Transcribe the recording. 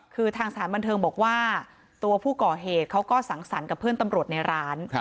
คือทางสถานบันเทิงบอกว่าตัวผู้ก่อเหตุเขาก็สังสรรค์กับเพื่อนตำรวจในร้าน